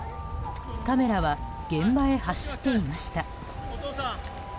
カメラは現場へ走っていきました。